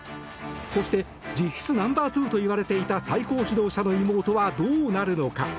そして実質ナンバーツーと言われていた最高指導者の妹はどうなるのか。